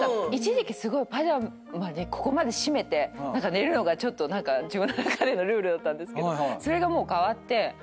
一時期すごいパジャマでここまで閉めて寝るのがちょっと何か自分の中でのルールだったんですけどそれがもう変わって。